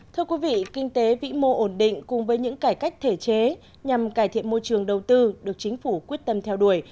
thưa quý vị kinh tế vĩ mô ổn định cùng với những cải cách thể chế nhằm cải thiện môi trường đầu tư được chính phủ quyết tâm theo đuổi